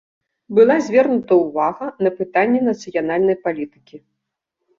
Была звернута ўвага на пытанні нацыянальнай палітыкі.